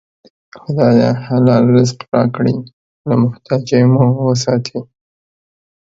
خدایه! حلال رزق راکړې، له محتاجۍ مو وساتې